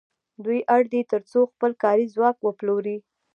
دوی اړ دي تر څو خپل کاري ځواک وپلوري